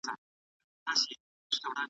سوالا جوابا